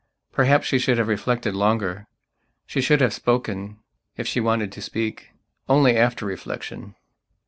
Perhaps she should have reflected longer; she should have spoken, if she wanted to speak, only after reflection.